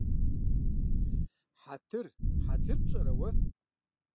Хьэтыр… Хьэтыр пщӀэрэ уэ?